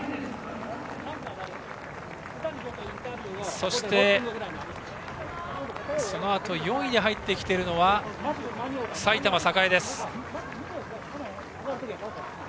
そして、そのあと４位に入ってきているのは埼玉栄。